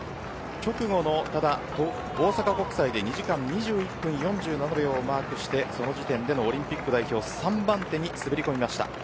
直後の大阪国際で２時間２１分４７秒をマークしてオリンピック代表３番手に滑り込みました。